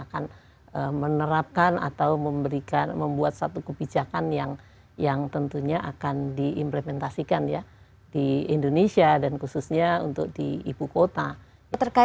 kami akan kembali sesaat lagi